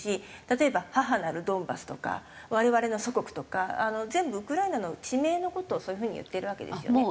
例えば「母なるドンバス」とか「我々の祖国」とか全部ウクライナの地名の事をそういう風に言っているわけですよね。